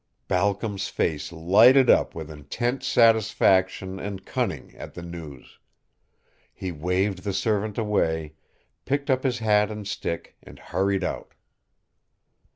Balcom's face lighted up with intense satisfaction and cunning at the news. He waved the servant away, picked up his hat and stick, and hurried out.